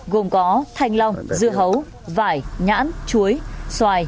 gồm có thanh long dưa hấu vải nhãn chuối xoài mít trôm trôm và măng cụt